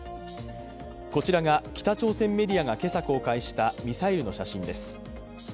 こちらが、北朝鮮メディアが今朝公開したミサイルの写真です。